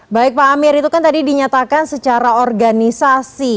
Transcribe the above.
baik pak amir itu kan tadi dinyatakan secara organisasi